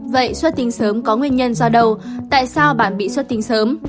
vậy xuất tinh sớm có nguyên nhân do đâu tại sao bạn bị xuất tinh sớm